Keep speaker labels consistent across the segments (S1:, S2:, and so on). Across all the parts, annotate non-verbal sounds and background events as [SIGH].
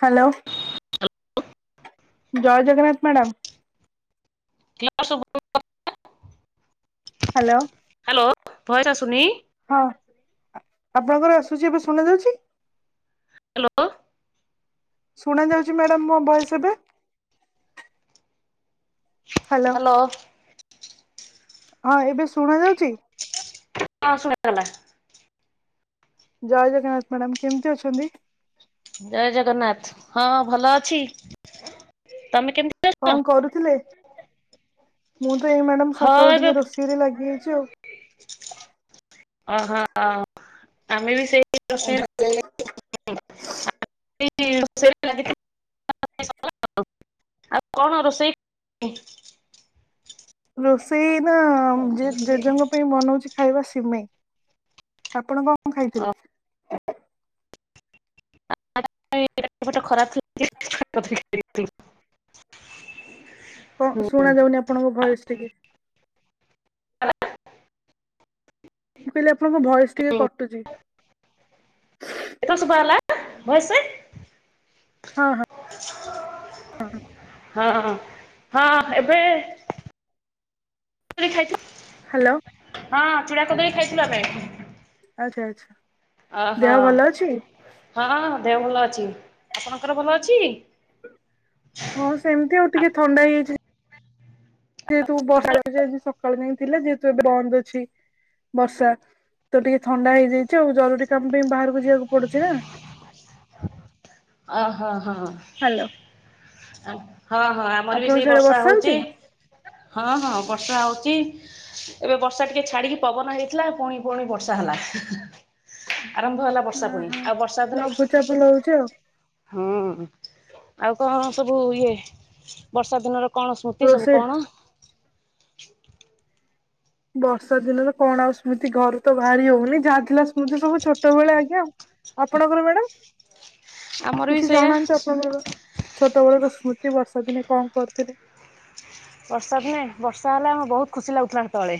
S1: Hello.
S2: Hello.
S1: ଜୟ Jagannath madam.
S2: [UNINTELLIGIBLE]
S1: Hello.
S2: Hello voice ଆସୁନି।
S1: ହଁ ଆପଣଙ୍କର ଆସୁଛି ଏବେ ଶୁଣ ଯାଉଛି।
S2: ହ୍ୟାଲୋ।
S1: ଶୁଣା ଯାଉଛି ମ୍ୟାଡାମ ମୋ ଭଏସ ଏବେ ହ୍ୟାଲୋ ହଁ ଏବେ ଶୁଣା ଯାଉଛି?
S2: ହଁ ଶୁଣାଗଲା।
S1: ଜୟ ଜଗନ୍ନାଥ ମ୍ୟାଡ଼ାମ କେମିତି ଅଛନ୍ତି।
S2: ଜୟ ଜଗନ୍ନାଥ ହଁ ଭଲ ଅଛି। ତମେ କେମିତି
S1: କଣ
S2: ଅଛ?
S1: କରୁଥିଲେ ମୁଁ ତ ଏଇ ମ୍ୟାଡାମ
S2: ହଁ
S1: ସକାଳୁ
S2: ଏବେ
S1: ଟିକେ ରୋଷେଇରେ ଲାଗିଯାଇଛି ଆଉ
S2: ଓହୋ ଆମେ ବି ସେଇ୍ [UNINTELLIGIBLE] [UNINTELLIGIBLE] ଆଉ କଣ ରୋଷେଇ
S1: ରୋଷେଇ ନା ଜେଜେଙ୍କ ପାଇଁ ବନଉଛି ଖାଇବା ସିମେଇ। ଆପଣ କଣ ଖାଇଥିଲେ?
S2: [INAUDIBLE]
S1: କଣ ଶୁଣା ଯାଉନି ଆପଣଙ୍କ ଭଏସ୍ ଟିକେ? ମୁଁ କହିଲି ଆପଣଙ୍କ ଭଏସ୍ ଟିକେ କଟୁଚି।
S2: ଏଥର ଶୁଭାଗଲା ଭଏସେ।
S1: ହଁ ହଁ।
S2: ହଁ ହଁ ଏବେ [UNINTELLIGIBLE] ଖାଇଛୁ
S1: ହ୍ଯାଲୋ।
S2: ହଁ ଚୂଡ଼ା କଦଳୀ ଖାଇଥିଲୁ ଆମେ।
S1: ଆଛା ଆଛା।
S2: ଅ ହ ହଁ ଦେହ ଭଲ ଅଛି ଆପଣଙ୍କର ଭଲ ଅଛି?
S1: ହଁ ସେମିତି ଆଉ ଟିକେ ଥଣ୍ଡା ହେଇଯାଇଛି। ଯେହେତୁ ବର୍ଷା ରେ ସେ ଆଜି ସକାଳୁ ଏମିତି ଥିଲେ ଯେହେତୁ ଏବେ ବନ୍ଦ ଅଛି। ବର୍ଷା ତ ଟିକେ ଥଣ୍ଡା ହେଇଯାଇଛି ଆଉ ଜରୁରୀ କାମ ପାଇଁ ବାହାରକୁ ଯିବାକୁ ପଡୁଛି ନା।
S2: ଆ ହା ହ।
S1: ହାଲୋ
S2: ହଁ ହଁ ଆମର ବି ସେଇ ବର୍ଷା ହଉଛି। ହଁ ହଁ ବର୍ଷା ହଉଚି। ଏବେ ବର୍ଷା ଟିକେ ଛାଡିକି ପବନ ହେଇଥିଲା ପୁଣି ପୁଣି ବର୍ଷା ହେଲା। ଆରମ୍ଭ ହେଲା ବର୍ଷା ପୁଣି ଆଉ ବର୍ଷା ଦିନ
S1: ଭଲ ହେଉଛି ଆଉ।
S2: ହୁଁ ଆଉ କଣ ସବୁ ଇଏ ବର୍ଷା ଦିନର କଣ ସ୍ମୃତି ସବୁ
S1: ରୋଷେଇ
S2: କଣ?
S1: ବର୍ଷା ଦିନରେ କଣ ଆଉ ସ୍ମୃତି ଘରୁ ତ ବାହାରି ହେଉନି ଯାହାଥିଲା ସ୍ମୃତି ସବୁ ଛୋଟବେଳେ ଆଜ୍ଞା ଆଉ। ଆପଣଙ୍କର ମ୍ୟାଡାମ୍
S2: ଆମର ବି
S1: କିଛି
S2: ସେଇଆ
S1: ଜଣାନ୍ତୁ ଆପଣଙ୍କର? ଛୋଟ ବେଳ ର ସ୍ମୃତି ବର୍ଷା ଦିନେ କଣ କରୁଥିଲେ?
S2: ବର୍ଷା ଦିନେ ବର୍ଷା ହେଲେ ଆମକୁ ବହୁତ୍ ଖୁସି ଲାଗୁଥିଲା ସେତେବେଳେ।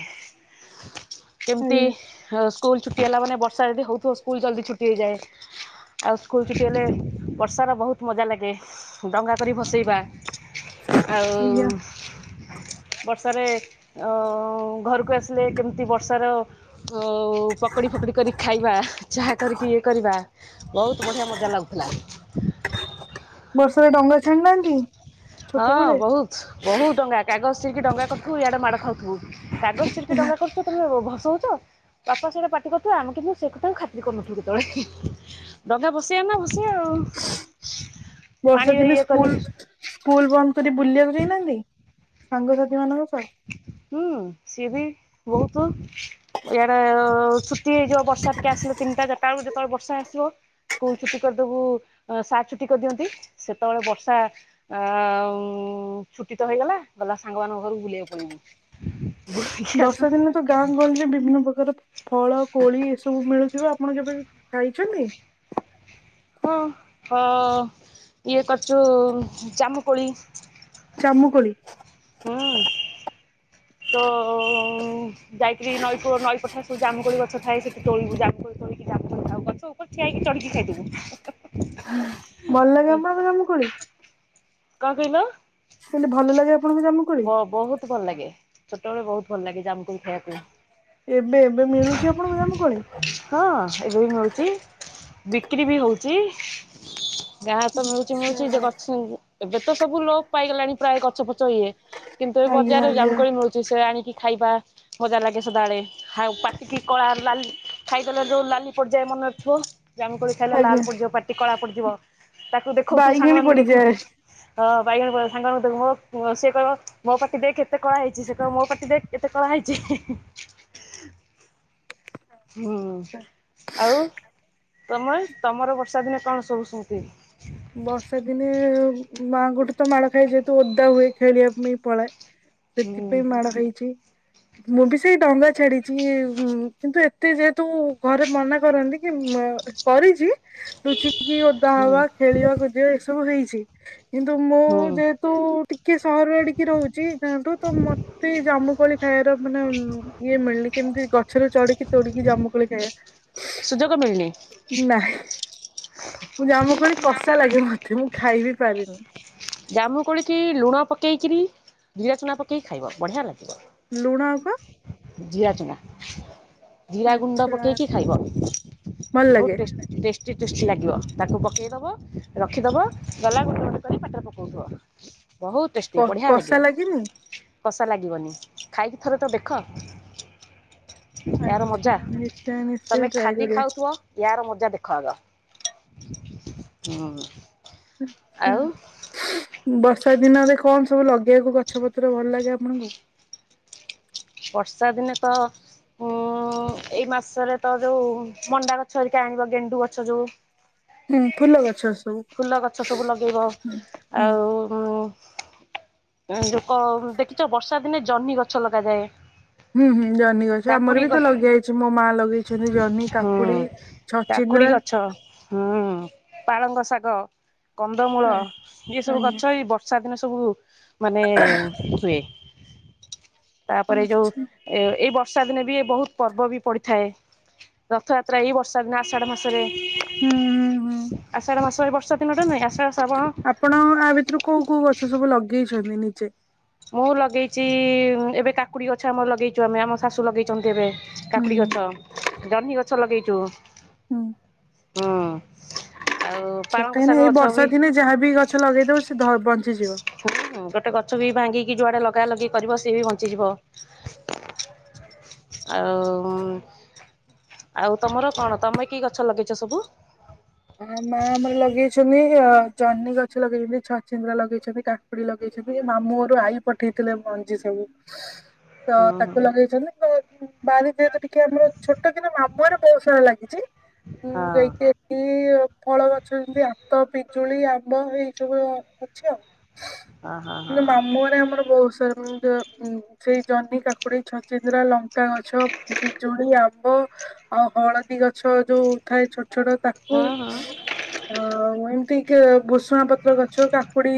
S2: କେମିତି
S1: ଆଜ୍ଞା
S2: ହ ସ୍କୁଲ୍ ଛୁଟି ହେଲା ମାନେ ବର୍ଷା ଯଦି ହେଉଥିବ ସ୍କୁଲ୍ ଜଲଦି ଛୁଟି ହେଇଯାଏ। ଆଉ ସ୍କୁଲ୍ ଛୁଟି ହେଲେ ବର୍ଷା ର ବହୁତ ମଜା ଲାଗେ ଡଙ୍ଗା କରି ଭସେଇବା।
S1: ଆଜ୍ଞା
S2: ଆଉ ବର୍ଷାରେ ଓ ଘରକୁ ଆସିଲେ କେମିତି ବର୍ଷାର ହଉ ପକୁଡି ଫକୁଡି କରିକି ଖାଇବା ଚାହା କରିକି ଇଏ କରିବା। ବହୁତ୍ ବଢିଆ ମଜା ଲାଗୁଥିଲା।
S1: ବର୍ଷାରେ ଡଙ୍ଗା ଛାଣି ନାହାନ୍ତି?
S2: ହଁ ବହୁତ୍ ବହୁତ୍ ଡଙ୍ଗା କାଗଜ ଚିରିକି ଡଙ୍ଗା କରୁଥିବୁ ଇଆଡେ ମାଡ଼ ଖାଉଥିବୁ। କାଗଜ ଚିରିକ୍ ଡଙ୍ଗା କରିଥିବୁ। ତମେ ଭସଉଚ ବାପା ସେଇଟା ପାଟି କରୁଥିବେ ଆମେ କିନ୍ତୁ ସେ କଥାକୁ ଖାତିର୍ କରୁନଥିଲୁ କେତବେଳେ। ଡଙ୍ଗା ଭସେଆନା ଭସେଓ
S1: ବର୍ଷା ଦିନେ ସ୍କୁଲ୍ ସ୍କୁଲ୍ ବନ୍ଦ କରି ବୁଲିବାକୁ ଯାଇନାହାନ୍ତି। ସାଙ୍ଗସାଥି ମାନଙ୍କ ସହ?
S2: ହୁଁ ସିଏ ବି ବହୁତୁ ଇଆଡେ ଅ ଛୁଟି ହେଇଯିବ ବର୍ଷା ଟିକେ ଆସିବେ ତିନିଟାଚାରିଟା ବେଳୁ ଯେତେବେଳେ ବର୍ଷା ଆସିବ। ସ୍କୁଲ୍ ଛୁଟି କରିଦବୁ ସାର୍ ଛୁଟି କରିଦିଅନ୍ତି ସେତେବଳେ ବର୍ଷା ଆ ଉ ଛୁଟି ତ ହେଇଗଲା ଗଲା ସାଙ୍ଗମାନଙ୍କ ଘରକୁ ବୁଲିବାକୁ ପଳେଇବୁ। ବୁଲିକି ଆସୁ
S1: ବର୍ଷା ଦିନେ ତ ଗାଁ ଗହଳିରେ ବିଭିନ୍ନ ପ୍ରକାର ଫଳ କୋଳି ଏ ସବୁ ମିଳୁଥିବ ଆପଣ କେବେ ଖାଇଛନ୍ତି?
S2: ହଁ ହ ଇଏ କରିଛୁ ଜାମୁକୋଳି
S1: ଚାମୁକୋଳି।
S2: ହୁଁ
S1: [UNINTELLIGIBLE]
S2: ଯାଇଥିଲି ନଈ କୂଳ ନଈ ପଠାସକୁ ଜାମୁକୋଳି ଗଛ ଥାଏ ସେଠି ତୋଳିବୁ ଜାମୁକୋଳି ତୋଳିକି ଜାମୁକୋ ଆଉ ଗଛ ଉପରେ ଠିଆ ହେଇକି ଚଡିକି ଖାଇଦବୁ।
S1: ଭଲ ଲାଗେ ଆପଣଙ୍କୁ ଜାମୁ କୋଳି?
S2: କଣ କହିଲ।
S1: ହିଲି ଭଲ ଲାଗେ ଆପଣଙ୍କୁ ଜାମୁ
S2: ବ ବୋହୁତ ଭଲ ଲାଗେ ଛୋଟବେଳେ ବୋହୁତ ଭଲ ଲାଗେ ଜାମକୋଳି ଖାଇବା ପାଇଁ।
S1: ଏବେ ଏବେ ମିଳୁଛି ଆପଣଙ୍କୁ ଜାମୁ କୋଳି?
S2: ହଁ ଏବେ ବି ମିଳୁଚି ବିକ୍ରି ବି ହୋଉଚି। ଯାହା ତ ମିଳୁଛି ମିଳୁଛି ଯେ
S1: ଆଚ୍ଛା
S2: ଗଛ ଏବେ ଏବେ ତ ସବୁ ଲୋକ ପାଇଗଲାଣି ପ୍ରାୟ ଗଛ ଫଛ ଇଏ କିନ୍ତୁ ଏ
S1: ଆଜ୍ଞା
S2: ବଜାରେ ଜାମୁ
S1: ଆଜ୍ଞା
S2: କୋଳି ମିଳୁଚି ସେ ଆଣିକି ଖାଇବା ମଜା ଲାଗେ ସଦାବେଡଳେ। ଖାଉ ପାଟିକି କଳା ଲାଲି ଖାଇଦେଲେ ଯୋଉ ଲାଲି ପଡିଯାଏ। ମନରେ ଥିବ ଜାମୁ କୋଳି ଖାଇଲେ
S1: ଆଜ୍ଞା
S2: ଲାଲ ପଡିଯିବ ପାଟି କଳା ପଡିଯିବ ତାକୁ ଦେଖଉଥୁବୁ
S1: ବାଇଗିଣୀ
S2: ସାଙ୍ଗମାନଙ୍କୁ
S1: ପଡିଯାଏ
S2: ଦେଖଉଥୁ ହଁ ବାଇଗଣ ପଡିବ ସାଙ୍ଗ ମାନଙ୍କୁ କହିବ ମ ମୋ ସିଏ କହିବ ମୋ ପାଟି ଦେଖେ କେତେ କଳା ହେଇଛି ସେ କ ମୋ ପାଟି ଦେଖ କେତେ କଳା ହେଇଛି। ହେ ହେ ହୁଁ ଆଉ ତମେ ତମର ବର୍ଷା ଦିନେ କଣ ସବୁ ସେମିତି
S1: ବର୍ଷା ଦିନେ ମା ଙ୍କ ଠୁ ତ ମାଡ଼ ଖାଏ ଯେହେତୁ ଓଦା ହୁଏ ଖେଳିବା ପାଇଁ ପଳାଏ।
S2: ହୁଁ
S1: ସେଥିପାଇଁ ମାଡ ଖାଇଛି ମୁଁ ବି ସେଇ ଡଙ୍ଗା ଛାଡିଛି ଉଁ କିନ୍ତୁ ଏତ ଯେହେତୁ ଘରେ ମନା କରନ୍ତି କି କରିଛି ଲୁଚିକି ଓଦା
S2: ହୁଁ
S1: ହବା ଖେଳିବା କୋଜିବା ଏସବୁ ହେଇଛି କିନ୍ତୁ ମୁଁ
S2: ହୁଁ
S1: ଯେହେତୁ ଟିକେ ସହର ଆଡିକି ରହୁଛି ଗାଁଠୁ ତ ମ ଏଇ ଜାମୁକୋଳି ଖାଇବାର ମାନେ ଇଏ ମିଳିନି କେମିତି ଗଛରେ ଚଦିକି ତୋଳିକି ଜାମୁକୋଳି ଖାଇବା [INAUDIBLE] ହ
S2: ସୁଯୋଗ ମିଳିନି।
S1: ନା ମୁଁ ଜାମୁ କୋଳି କଷା ଲାଗେ ମତେ ମୁଁ ଖାଇବି ପାରେନି।
S2: ଜାମୁଁ କୋଳିକି ଲୁଣ ପକେଇକରି ଜିରା ଚଣା ପକେଇକି ଖାଇବ ବଢ଼ିଆ ଲାଗିବ।
S1: ଲୁଣ ଆଉ କଁ?
S2: ଜିରା ଚୁନା ଜିରା ଗୁଣ୍ଡ
S1: ଆଚ୍ଛା
S2: ପକେଇକି ଖାଇବ
S1: ଭଲ
S2: ବୋହୁତ
S1: ଲାଗେ
S2: ଟେଷ୍ଟି। ଟେଷ୍ଟି ଟେଷ୍ଟି ଲାଗିବ ତାକୁ ପକେଇ ଦବ ରଖିଦବ ଗଲା ଗୋଟେ ଗୋଟେ କରି ପାଟିରେ ପକଉଥିବ। ବଞହୁତ ଟେଷ୍ଟି ବଢ଼ିଆ
S1: କଷା
S2: ଲାଗିବ
S1: ଲାଗେନି
S2: କଷା ଲାଗିବନି ଖାଇକି ଥରେ ତ ଦେଖ। ୟାର
S1: ଆଚ୍ଛା
S2: ମଜା
S1: ନିଶ୍ଚୟ ନିଶ୍ଚୟ
S2: ତମେ
S1: ଟ୍ରାଏ
S2: ଖାଲି
S1: କରିବା
S2: ଖାଉ ଥିବ ୟାର ମଜା ଦେଖ ଆଗ।
S1: ଆ ଛା।
S2: ଆଉ
S1: ବର୍ଷା ଦିନରେ କଣ ସବୁ ଲଗେଇବାକୁ ଗଛ ପତ୍ର ଭଲ ଲାଗେ ଆପଣଙ୍କୁ?
S2: ବର୍ଷା ଦିନେ ତ ଉଁ ଏଇ ମାସରେ ତ ଯୋଉ ମଣ୍ଡା ଗଛ ହେରିକି ଆଣିବ ଗେଣ୍ଡୁ ଗଛ ଯୋଉ
S1: ହ
S2: ଫୁଲ ଗଛ ସବୁ ଲଗେଇବ।
S1: ହୁଁ।
S2: ଆଉ ଯୋଉ କ ଦେଖିଚ ବର୍ଷା ଦିନେ ଜହ୍ନି ଗଛ ଲଗାଯାଏ।
S1: ହୁଁ ହୁଁ ଜନି ଗ ଛ ଆମର
S2: କାକୁଡି
S1: ବି
S2: ଗ
S1: ତ ଲଗେଇଆଇଚି ମୋ ମା ଲଗେଇଛନ୍ତି ଜହ୍ନି କାକୁଡି ଛଚିନ୍ଦ୍ରା
S2: ଛ ହୁଁ ପାଳଙ୍ଗ ଶାଗ କନ୍ଦମୂଳ ଇଏ ସବୁ
S1: ଆଜ୍ଞା
S2: ଗଛ ଏଇ ବ ସଦିନ ସବୁ ମାନେ ହୁଏ। ପରେ ଯୋଉ
S1: ଆଚ୍ଛା।
S2: ଏ ଏଇ ବର୍ଷା ଦିନେ ବି ବହୁତ ପର୍ବ ବି ପଡିଥାଏ। ରଥଯାତ୍ରା ଏଇ ବର୍ଷା ଦିନ ଆଷାଢ ମାସରେ।
S1: ହୁଁ ହୁଁ ହୁଁ।
S2: ଆଷାଢ ମାସ ଏଇ ବର୍ଷା ଦିନରେ ନୁହେଁ ଆଷାଢ଼ ଶ୍ରାବଣ।
S1: ଆପଣ ଆ ଭିତରୁ କୋଉ କୋଉ ଗଛ ସବୁ ଲଗେଇଛନ୍ତି ନିଜେ?
S2: ମୁଁ ଲଗେଇଚି ଏବେ କାକୁଡି ଗଛ ଆମର ଲଗେଇଚୁ ଆମେ ଆମ ଶାଶୁ ଲଗେଇଚନ୍ତି ଏବେ।
S1: ହୁଁ
S2: କାକୁଡି ଗଛ ଜହ୍ନି ଗଛ ଲଗେଇଚୁ।
S1: ହୁଁ।
S2: ହୁଁ ଆଉ ପାଳଙ୍ଗ ଶାଗ ଗଛ ବି
S1: ଯାହା ବିି ଗଛ ଲଗେଇଦବ ସେ ଧ ବଞ୍ଚିଯିବ।
S2: ହୁଁ ଗୋଟେ ଗଛ ବି ଭାଙ୍ଗିକି ଯୁଆଡେ ଲଗା ଲଗି କରିବ ସିଏ ବି ବଞ୍ଚିଯିବ। ଆଉ ଆଉ ତମର କଣ ତମେ କି ଗଛ ଲଗେଇଚ ସବୁ?
S1: ଆ ମା ଆମର ଲଗେଇଚନ୍ତି ଅ ଚାହ୍ନି ଗଛ ଲଗେଇଚନ୍ତି ଛ ଚିନ୍ଦ୍ରା ଲଗେଇଚନ୍ତି କାକୁୁଡି ଲଗେଇଚନ୍ତି ଏ ମାମୁଁଘରୁ ଆଈ ପଠେଇଥିଲେ ମଞ୍ଜି ସବୁ। ତ
S2: ହୁଁ
S1: ତାକୁ ଲଗେଇଚନ୍ତି ବାରି ଯେହେତୁ ଟିକେ ଆମର ଛୋଟ କିନ୍ତୁ ମାମୁଁରେ ବହୁତ ସାରା ଲାଗିଚି ଉଁ
S2: ହୁଁ ହଁ
S1: ଯାଇକି ଏ ଫଳ ଗଛ ଯେମତି ଆତ ପିଜୁଳି ଆମ୍ବ ଏଇ ସବୁ ଅଛି ଆଉ।
S2: ହଁ ହଁ
S1: କିନ୍ତୁ ମାମୁଁଘରେ ଆମର ବହୁତ ସାର ସେଇ ଜହ୍ନି କାକୁଡି ଛଚିନ୍ଦ୍ରା ଲଙ୍କା ଗଛ ବିିଜୁଳି ଆ ମ୍ବ ଆଉ ହଳଦୀ ଗଛ ଯୋଉ ଥାଏ ଛୋଟ ଛୋଟ
S2: ହଁ ହୁଁ
S1: ତାକୁ
S2: ହୁଁ
S1: ହଁ ଆ [UNINTELLIGIBLE] ଭୁଷୁଙ୍ଗା ପତ୍ର ଗଛ କାକୁଡି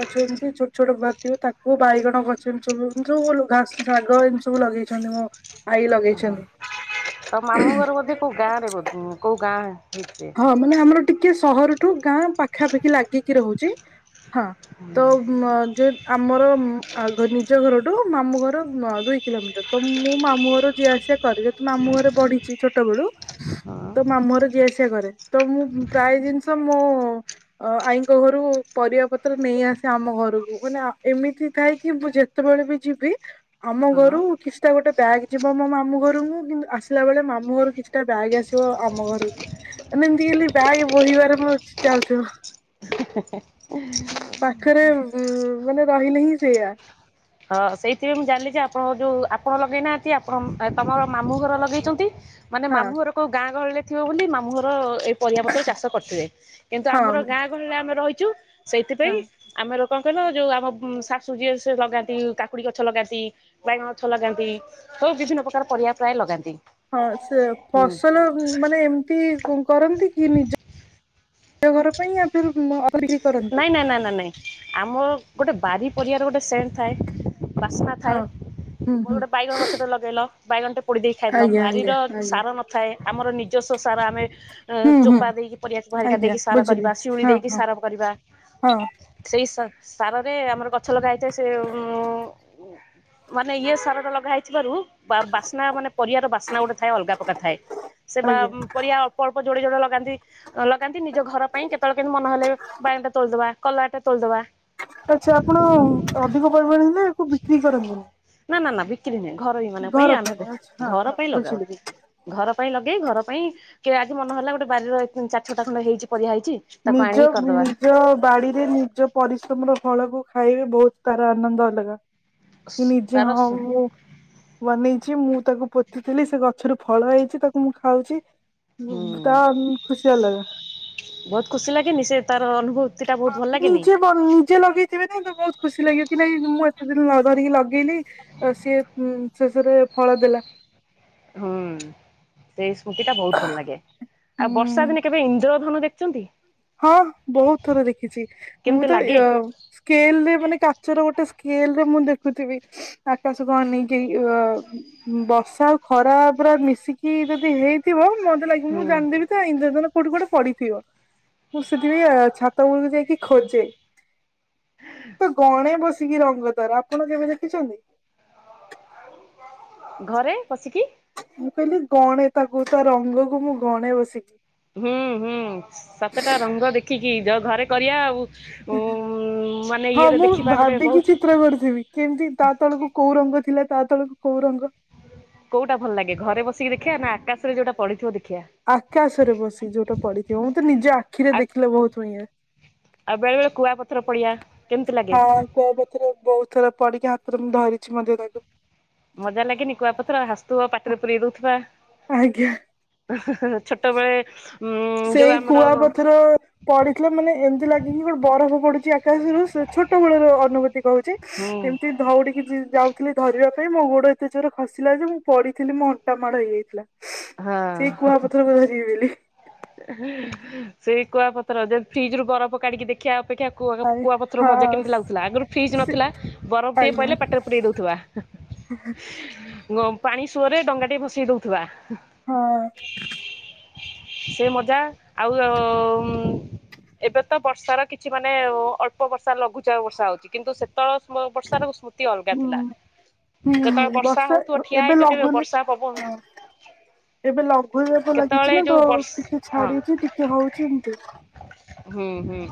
S1: ଗଛ ଏମିତି ଛୋଟ ଛୋଟ ଭାଥିବ ତାକୁ କୋଉ ବାଇଗଣ ଗଛ ଏମିତି ସବୁ ସବୁ ଘା ଶାଗ ଏମିତି ସବୁ ଲଗେଇଛନ୍ତି ମୋ ଆଈ
S2: ଓହୋ
S1: ଲଗେଇଛନ୍ତି।
S2: ତ ମାମୁଁ ଘର ବୋଧେ କୋଉ ଗାଁ ରେ ବୋ କୋଉ ଗାଁ ହେଇ
S1: [UNINTELLIGIBLE] ଆମର ଟିକେ ସହରଠୁ ଗାଁ ପାଖାପାଖି ଲାଗିକି ରହୁଚି। ହଁ ତ ଯେ ଆମର ମ ଆ ନିଜ ଘରଠୁ ମାମୁ ଘର ଦୁଇ କିଲୋମିଟର ତ ମୁଁ ମାମୁଁ ଘର ଯିଏ ଆସିବା କରେ। ଯେତୁ ମାମୁଁଘରେ ବଢିଚି ଛୋଟ ବେଳୁ ତ ମାମୁଁଘର ଯିଏ ସିଆ କରେ। ତ ମୁଁ ପ୍ରାୟ ଜିନିଷ ମୋ ଅ ଆଈଙ୍କ ଘରୁ ପରିବା ପତ୍ର ନେଇ ଆସେ ଆମ ଘରକୁ। ମାନେ ଏମିତି ଥାଏ କି ମୁଁ ଯେ ତେବେଳେ ବି ଯିବି ଆମ
S2: ହଁ ହଁ
S1: ଘରୁ କିଛିଟା ଗୋଟେ ବ୍ୟାଗ୍ ଯିବ ମୋ ମାମୁଁ ଘରକୁ କିନ୍ତୁ ଆସିଲା ବେଳେ ମାମୁଁ ଘରୁ କିଛି ଏ ବ୍ୟାଗ୍ ଆସିବ ଆମ ଘରକୁ। ଏମିତି ହେଲି ବ୍ୟାଗ୍ ବହିବାରେ ମୋର ଚାଉଥିବ। ପାଖରେ ଉ ମାନେ ରହିଲେ ହିଁ ସେୟା।
S2: ହଁ ସେଇଥିପାଇଁ ମୁଁ ଜାଣିଲିଯେ ଆପଣ ଯୋଉ ଆପଣ ଲଗେଇନାହାନ୍ତି ଆପଣ ତମର ମାମୁଁ ଘର ଲଗେଇଚନ୍ତି। ମାନେ
S1: ହଁ
S2: ମାମୁଁ ଘରକୁ ଗାଁ ଗହଳିରେ ଥିବ ବୋଲି ମାମୁଁଘର ଏ ପରିବାପତ୍ର ଚାଷ କରିିବଥିଲେ କିନ୍ତୁ
S1: ହଁ
S2: ଆମର ଗାଁ ଗହଳିରେ ଆମେ ରହିଚୁ
S1: ହଁ।
S2: ସେଇଥିପାଇଁ ଆମର କଣ କହିଲ ଯୋଉ ଆମ ଶାଶୁ ଯିଏ ସିଏ ଲଗାନ୍ତି। କାକୁଡ଼ି ଗଛ ଲଗାନ୍ତି ବାଇଗଣ ଗଛ ଲଗାନ୍ତି ସବୁ ବିଭିନ୍ନ ପ୍ରକାର ପରିବା ପ୍ରାୟ ଲଗାନ୍ତି।
S1: ହଁ ସେ
S2: ହୁଁ।
S1: ଫସଲ ମାନେ ଏମିତି କରନ୍ତିକି ନିଜ ନିଜଘର ପାଇଁ ଆ ବିକ୍ରି କରନ୍ତି?
S2: ନ ନା ନା ନାଇଁ। ଆମର ଗୋଟେ ବାରି ପରିଆର ଗୋଟେ ସେଣ୍ଡ ଥାଏ ବାସ୍ନା
S1: ହଁ
S2: ଥାଏ
S1: ହୁଁ
S2: ମୋର
S1: ହୁଁ
S2: ଗୋଟେ ବାଇଗଣ ଗଛଟେ ଲଗେଇଲ। ବାଇଗଣଟେ ପୋଡ଼ି ଦେଇ ଖାଇଦେଲ
S1: ଆଜ୍ଞା ଆଜ୍ଞା
S2: ବାରିର
S1: ଆଜ୍ଞା।
S2: ସାର ନଥାଏ ଆମର ନିଜସ୍ୱ ସାର ଆମେ ଉଁ
S1: ହୁଁ ହୁଁ
S2: ଚୋପା ଦେଇକି ପରିବାକୁ ବାହାରିକା
S1: ଆଜ୍ଞା
S2: ଦେଇକି ସାର
S1: ବୁଝିଲି
S2: କରିବା ଶିଉଳି
S1: ହଁ
S2: ଦେଇକି
S1: ହଁ
S2: ସାର କରିବା
S1: ହଁ
S2: ସେଇ ସା ସାରରେ ଆମର ଗଛ ଲଗା ହେଇଥାଏ ସେ ଉ ମାନେ ଇଏ ସାରଟା ଲଗା ହେଇଥିବାରୁ ବା ବାସ୍ନା ମାନେ ପରିବର ବାସ୍ନା ଗୋଟେ ଥାଏ ଅଲଗା ପ୍ରକାର ଥାଏ ସେ ବା
S1: ଆଜ୍ଞା।
S2: ପରିଆ ଅଳ୍ପ ଜୋଡ଼ି ଜୋଡ଼ା ଲଗାନ୍ତି ଲଗାନ୍ତି ନି ଯୋଉ ଘର ପାଇଁ କେତେବେଳେ କେମିତି ମନେ ହେଲେ ବାଇଗଣଟେ ତୋଳିଦବା କଲରାଟା ତୋଳିଦବା
S1: ଆଚ୍ଛା ଆପଣ ଅଧିକ ପରିମାଣ ହେଲେ ଏହାକୁ ବିକ୍ରି କରନ୍ତୁନି?
S2: ନା ନା ନା ବିକ୍ରି ନୁହେଁ ଘର ମାନଙ୍କ ପାଇଁ ଆମେ
S1: ଆଚ୍ଛା ହଁ
S2: ଘର
S1: ହଁ
S2: ପାଇଁ
S1: ବୁଝିଲି ବୁଝିଲି।
S2: ଲଗାହଉଚି। ଘର ପାଇଁ ଲଗେଇ ଘର ପାଇଁ କି ଆଜି ମନହେଲା ଗୋଟେ ବାରିର ଚାରି ଛୋଟା ଖଣ୍ଡ ହେଇଚି ପରିବା ହେଇଚି
S1: ନିଜ ନିଜ ବାଡ଼ିରେ ନିଜ ପରିଶ୍ରମର ଫଳକୁ ଖାଇବେ ବହୁତ୍ ତାର ଆନନ୍ଦ ଅଲଗା। କି
S2: ତାର
S1: ନିଜେ
S2: ହୁଁ
S1: ହଉ ବନେଇଛି ମୁଁ ତାକୁ ପୋତିଥିଲି ସେଗଛରୁ ଫଳ ହେଇଚି ତାକୁ ମୁଁ ଖାଉଚି। ହୁଁ ତଖୁସି ଅଲଗା।
S2: ବହୁତ୍ ଖୁସି ଲାଗେନି ସେ ତାର ଅନୁଭୂ
S1: ହଁ ନିଜେ ରୁ ନିଜେ ଲଗେଇଥିବେନା ତବହୁତ ଖୁସି ଲାଗିବ କି ନାଇଁ ମୁଁ ଏତେ ଦିନ ଧରିକି ଲଗେଇଲି ସିଏ ଉ ଶେଷରେ ଫଳ ଦେଲା।
S2: ହୁଁ। ସେଇ ସ୍ମୃତିଟା ବହୁତ୍ ଭଲ ଲାଗେ
S1: ଉଁ
S2: ଆଉ ବର୍ଷା ଦିନେ କେବେ ଇନ୍ଦ୍ର ଧନ ଦେଖିଚନ୍ତି?
S1: ହଁ ବହୁତ୍ ଥର ଦେଖିଛି
S2: କେମିତି
S1: ମୁଁତ
S2: ଲାଗେ
S1: ୟ ସ୍କେଲରେ ମାନେ କାଚର ଗୋଟେ ସ୍କେଲରେ ମୁଁ ଦେଖୁଥିବି ଆକାଶ କଣ ନେଇଯାଇ ଅ ବର୍ଷା ଆଉ ଖରା ପୁରା ମିଶିକି ଯଦି ହେଇଥିବ ମତେ ଲାଗି
S2: ହୁଁ
S1: ମୁଁ ଜାଣି ଦେଲିତ ଇନ୍ଦ୍ରଧନୁ କୋଉଠି ଗୋଟେ ପଡିଥିବ। ମୁଁ ସେଥିପାଇଁ ଛାତ ଉପରକୁ ଯାଇକି ଖୋଜେ। ତ ଗଣେ ବସିକି ରଙ୍ଗ ଦ୍ୱାରା ଆପଣ କେବେ ଦେଖିଛନ୍ତି?
S2: ଘରେ ପସିକି।
S1: ମୁଁ କହିଲି ଗଣେ ତାକୁ ତାରଙ୍ଗକୁ ମୁଁ ଗଣେ ବସିକି।
S2: ହୁଁ ହୁଁ ସାତଟା ରଙ୍ଗ ଦେଖିକି ଯ ଘରେ କରିବା ଆଉ। ଉ ମାନେ
S1: ହଁ
S2: ଇଏରେ
S1: ମୁଁ
S2: ଦେଖିବା ଗୋଟେ
S1: ଭାବିକି
S2: ବହୁତ
S1: ଚିତ୍ର କରିଥିବି। ଯେମିତି ତା ତଳକୁ କୋଉ ରଙ୍ଗ ଥିଲା ତା ତଳକୁ କୋଉ ରଙ୍ଗ।
S2: କୋଉଟା ଭଲ ଲାଗେ ଘରେ ବସିକି ଦେଖିବା ନା ଆକାଶରେ ଯୋଉଟା ପଡ଼ିଥିବ ଦେଖିବା।
S1: ଆକାଶରେ ବସି ଯୋଉଟା ପଡ଼ିଥିବ ମୁଁ ତ ନିଜେ ଆଖିରେ
S2: ଆଉ
S1: ଦେଖିଲେ ବହୁତ୍ ବଢ଼ିଆ
S2: ଆଉ ବେଳେ ବେଳେ କୁଆପଥର ପଡ଼ିଆ କେମିତି ଲାଗେ?
S1: କୁଆପଥାର ବହୁତ ଥର ପଡିକି ହାତରେ ମୁଁ ଧରିଛି ମଧ୍ୟ ତାକୁ।
S2: ମଜା ଲାଗେନି କୁଆପଥର ହାସଥୁବ ପାଟିରେ ପୁରେଇ ଦଉଥିବା।
S1: ଆଜ୍ଞା।
S2: ଛୋଟବେଳେ। ଉଁ ଯୋଉ
S1: ସେଇ
S2: ଆମର ହୁଁ
S1: କୁଆପଥର। ପଡିଥିଲା ମାନେ ଏମିତି ଲାଗେ କିି ଗୋଟେ ବରଫ ପଡୁଛି ଆକାଶରୁ ଛୋଟ ବେଳର ଅନୁଭୂତି କହୁଛି। ଏମତି। ଧଉଡିକି ଯାଉଥିଲି ଧରିବା ପାଇଁ ମୋ ଗୋଡ ଏତେ ଜୋର ଖସିଥିଲି ଯେ ମୁଁ ପଡିଥିଲି ମୋ ଅଣ୍ଟା ମାଡ଼ ହେଇଯାଇଥିଲା।
S2: ହଁ
S1: ସେଇ କୁଆ ପଥରକୁ ଧରିବି ବୋଲି।
S2: ସେଇ କୁଆପଥର ଯେ ଫ୍ରିଜରୁ ବରଫ କାଢିକି ଦେଖିବା ଅପେକ୍ଷା କୁଆ
S1: ଆରେ
S2: କୁଆପଥରରୁ ମଜା
S1: ହଁ
S2: କେମିତି ଲାଗୁଥିଲା ଆଗରୁ ଫ୍ରିଜ୍
S1: ସେ
S2: ନଥିଲା ବରଫଟିଏ ପଡ଼ିଲେ ପାଟରେ ପୁରେଇ ଦେଉଥିବା।
S1: ହୁ।
S2: ପାଣି ସୁଅରେ ଡଙ୍ଗାଟି ଭସେଇ ଦେଉଥିବା।
S1: ହଁ।
S2: ସେ ମଜା ଆଉ ଏବେ ତ ବର୍ଷାର କିଛି ମାନେ ଅଳ୍ପ ବର୍ଷା ଲଘୁଚାପ ବର୍ଷା ହଉଛି କିନ୍ତୁ ସେତେବେଳେ ସମୟର ବର୍ଷା ଅତି ଅଲଗା
S1: ହୁଁ
S2: ଥିଲା
S1: ହୁଁ
S2: ଯେତେବେଳେ
S1: ହୁଁ
S2: ବର୍ଷା ହଉଥିବ ଠିଆ
S1: ଏବେ
S2: ହେଇଛ କେବେ
S1: ଲଘୁନି
S2: ବର୍ଷା ପବନ।
S1: ହଁ ଏବେ ଲଘୁଚାପ ଲାଗିଛି
S2: କେତେବେଳେ
S1: ନା ତ
S2: ଯୋଉ ବର୍ଷ
S1: ଟିକେ
S2: ହଁ
S1: ଛାଡିଛି ଟିକେ ହଉଛି ଏମତି।
S2: ହୁଁ ହୁଁ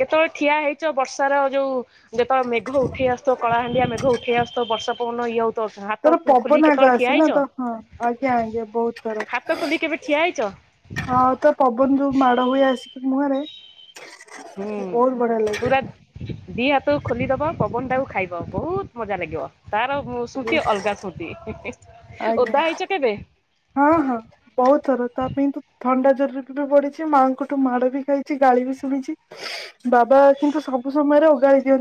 S2: କେତେବେଳେ ଠିଆ ହେଇଛ ବର୍ଷାର ଯୋଉ ଯେତେବେଳେ ମେଘ ଉଠେଇ ଆସୁଥିବ କଳାହାଣ୍ଡିଆ ମେଘ ଉଠେଇ ଆସୁଥିବ ବର୍ଷା ପବନ ଇଏ ହଉଥିବ ହାତ
S1: ଧର
S2: ଖୋଲିକି
S1: ପବନ ଆଗ
S2: କେତେବେଳେ ଠିଆ
S1: ଆସିଲା
S2: ହେଇଛ
S1: ନା ତ ହଁ ଆଜ୍ଞା ଆଜ୍ଞା ବହୁତ ଥର।
S2: ହାତ ଖୋଲି କେବେ ଠିଆ ହେଇଛ?
S1: ହଁ ତ ପବନ ଯୋଉ ମାଡ ହୁଏ ଆସିକି ମୁହଁରେ।
S2: ହୁଁ
S1: ବହୁତ ବଢିଆ ଲାଗେ।
S2: ପୁରା ଦି ହାତ ଖୋଲିଦବ ପବନଟାକୁ ଖାଇବ ବହୁତ ମଜା ଲାଗିବ ତାର। ସ୍ମୃତି ଅଲଗା ସ୍ମୃତି
S1: ଆଜ୍ଞା
S2: ଓଦା ହେଇଛ କେବେ?
S1: ହଁ ହଁ। ବହୁତ ଥର ତା ପାଇଁ ତୁ ଥଣ୍ଡା ଜରରେ ବି ପଡିଛି ମାଆଙ୍କଠୁ ମାଡ ବି ଖାଇଛି ଗାଳି ବି ଶୁଣିଛି। ବାବା କିନ୍ତୁ ସବୁ ସମୟରେ ଓଗାଳି ଦିଅନ୍ତି।